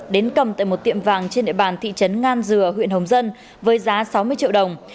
đến cầm tại một tiệm vàng trên địa bàn thị trấn ngan dừa huyện hồng dân với giá sáu mươi triệu đồng